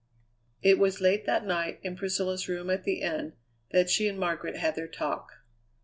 It was late that night, in Priscilla's room at the inn, that she and Margaret had their talk.